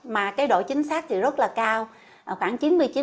mà độ chính xác rất là cao khoảng chín mươi chín